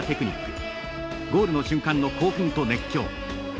ゴールの瞬間の興奮と熱狂。